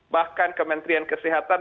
bahkan kementerian kesehatan